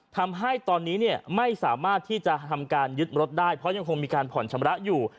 ทำให้ตอนนี้ไม่สามารถที่จะทำการยึดรถได้เพราะยังคงมีการผ่อนชำระอยู่